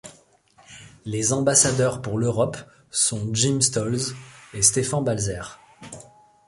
Les ambassadeurs pour l'Europe sont Jim Stolze et Stephan Balzer.